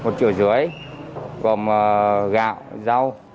một triệu rưỡi gồm gạo rau